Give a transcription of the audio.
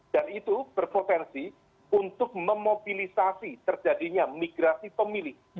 dan itu berpotensi untuk memobilisasi terjadinya migrasi pemilih